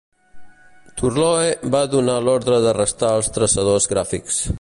Thurloe va donar l'ordre d'arrestar als traçadors gràfics.